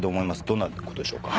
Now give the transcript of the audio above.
どんなことでしょうか？